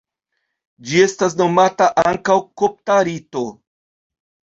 Ĝi estas nomata ankaŭ kopta rito.